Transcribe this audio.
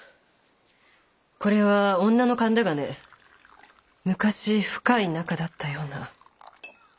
これは女の勘だがね昔深い仲だったような。